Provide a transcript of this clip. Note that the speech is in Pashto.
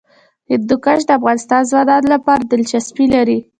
هندوکش د افغان ځوانانو لپاره دلچسپي لري.